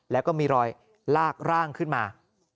แล้วก็มีรอยลากร่างขึ้นมา